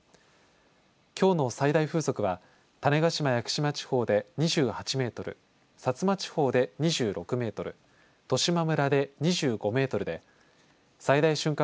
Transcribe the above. きょうの最大風速は種子島・屋久島地方で２８メートル、薩摩地方で２６メートル、十島村で２５メートルで最大瞬間